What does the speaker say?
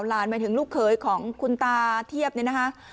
หมายถึงลูกเขยของคุณตาเทียบเนี่ยนะคะ